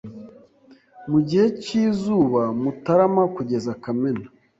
Mu gihe cyizuba Mutarama kugeza Kamena